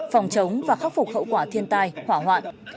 phòng chống và khắc phục hậu quả thiên tai hỏa hoạn